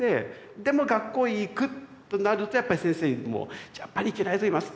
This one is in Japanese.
でも学校へ行くとなるとやっぱり先生にも「やっぱり行けないと思います」。